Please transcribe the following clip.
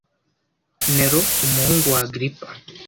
Nero umuhungu wa Agrippa